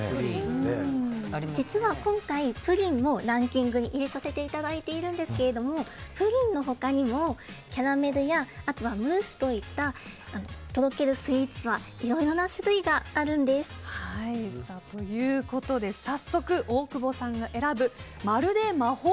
実は今回、プリンもランキングに入れさせていただいているんですけれどもプリンの他にも、キャラメルやあとはムースといったとろけるスイーツは早速、大久保さんが選ぶまるで魔法？